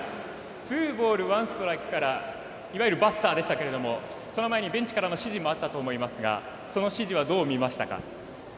ツーボール、ワンストライクからいわゆるバスターでしたけどその前にベンチからの指示もあったと思いますがその指示は、どう見ましたか？